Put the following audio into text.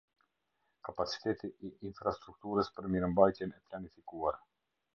Kapaciteti i infrastrukturës për mirëmbajtjen e planifikuar.